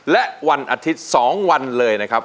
และวันอาทิตย์๒วันเลยนะครับ